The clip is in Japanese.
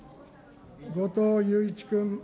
後藤祐一君。